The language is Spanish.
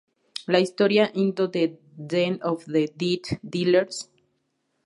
La historia ""Into the Den of the Death-Dealers!